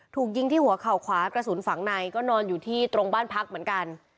ถูกยิงที่หัวเข่าขวากระสุนฝังในก็นอนอยู่ที่ตรงบ้านพักเหมือนกัน